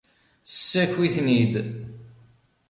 Ssaki-ten-id.